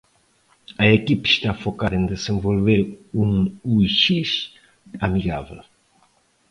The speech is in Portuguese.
A equipe está focada em desenvolver um UX amigável.